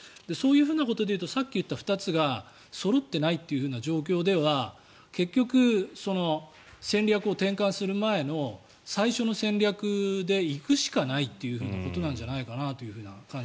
そういうことでいうとさっき言った２つがそろっていないという状況では結局、戦略を転換する前の最初の戦略で行くしかないという感じです。